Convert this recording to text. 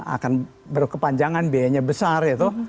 akan berkepanjangan biayanya besar itu